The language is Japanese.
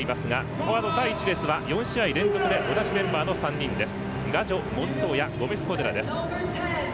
フォワード第１列は４試合連続で同じ３人の選手です。